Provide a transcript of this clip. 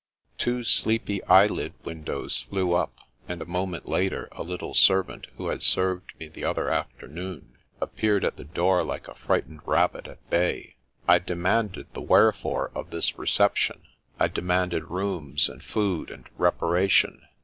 Two sleepy eyelid windows flew up, and a mo ment later a little servant who had served me the other afternoon, appeared at the door like a fright ened rabbit at bay. I demanded the wherefore of this reception ; I de manded rooms and food and reparation.